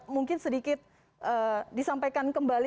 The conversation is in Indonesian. mungkin sedikit disampaikan kembali